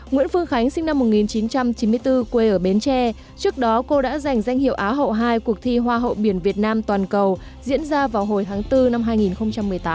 nguyễn phương khánh sinh năm một nghìn chín trăm chín mươi bốn quê ở bến tre trước đó cô đã giành danh hiệu á hậu hai cuộc thi hoa hậu biển việt nam toàn cầu diễn ra vào hồi tháng bốn năm hai nghìn một mươi tám